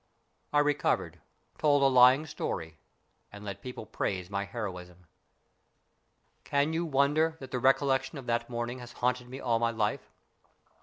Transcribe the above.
I recovered, told a lying story, and let people praise my heroism. Can you wonder that the recollection of that morning has haunted me all my life